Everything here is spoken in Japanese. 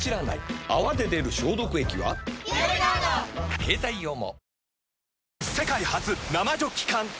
携帯用も。